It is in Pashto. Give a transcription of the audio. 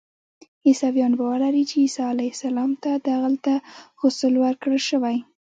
عیسویان باور لري چې عیسی علیه السلام ته دلته غسل ورکړل شوی.